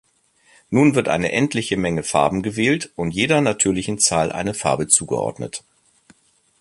Nun wird eine endliche Menge Farben gewählt und jeder natürlichen Zahl eine Farbe zugeordnet.